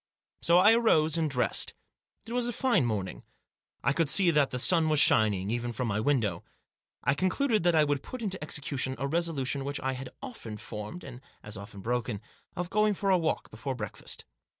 So I arose and dressed. It was a fine morning. I could see that the sun was shining, even from my window. I Digitized by 192 THE JOSS. concluded that I would put into execution a resolution which I had often formed, and as often broken, of going for a walk before breakfast.